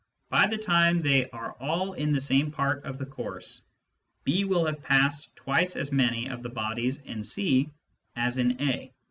By the time they are all in the same part of the course, B will have passed twice as many of the bodies in C as in A.